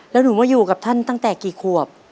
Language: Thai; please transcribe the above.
แล้วหนูมาอยู่กับท่านตั้งแต่กี่ขวบ